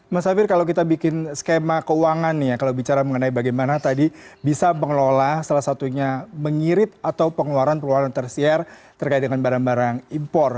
mas safir kalau kita bikin skema keuangan nih ya kalau bicara mengenai bagaimana tadi bisa mengelola salah satunya mengirit atau pengeluaran pengeluaran tersier terkait dengan barang barang impor